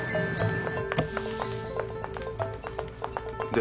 で？